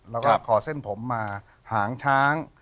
เราก็ขอเส้นผมมาหางช้าง